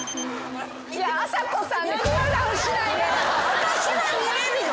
私は見れるの？